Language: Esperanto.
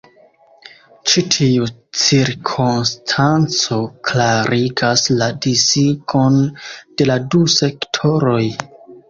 Ĉi tiu cirkonstanco klarigas la disigon de la du sektoroj.